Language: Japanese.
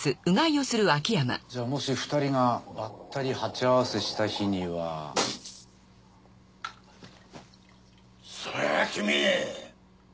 じゃもし２人がばったり鉢合わせした日には。それはキミ！